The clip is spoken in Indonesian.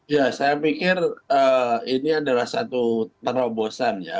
ya saya pikir ini adalah satu terobosan ya